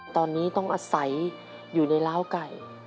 ตอนนี้ต้องอาศัยอยู่ในล้าวไก่